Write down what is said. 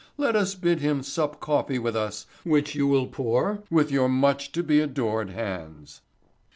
Let us bid him sup coffee with us which you will pour with your much to be adored hands."